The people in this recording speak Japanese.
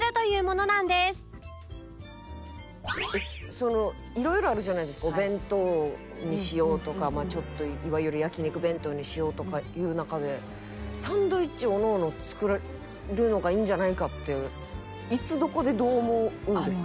その色々あるじゃないですかお弁当にしようとかちょっといわゆる焼肉弁当にしようとかいう中でサンドイッチをおのおの作るのがいいんじゃないかっていうのはいつどこでどう思うんですか？